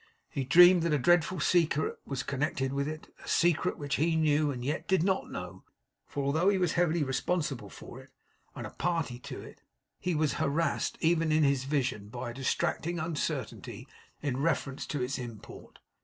He dreamed that a dreadful secret was connected with it; a secret which he knew, and yet did not know, for although he was heavily responsible for it, and a party to it, he was harassed even in his vision by a distracting uncertainty in reference to its import.